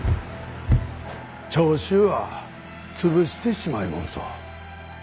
長州は潰してしまいもんそ。